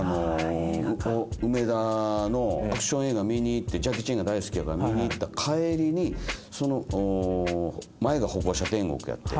梅田のアクション映画見に行ってジャッキー・チェンが大好きやから見に行った帰りにその前が歩行者天国やって。